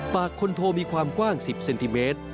คนโทมีความกว้าง๑๐เซนติเมตร